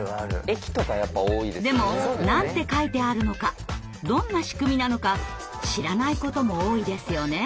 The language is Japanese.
でも何て書いてあるのかどんな仕組みなのか知らないことも多いですよね。